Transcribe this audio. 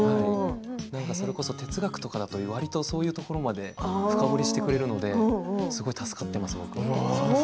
それこそ、哲学とかだとわりとそういうところまで深掘りしてくれるので助かっています。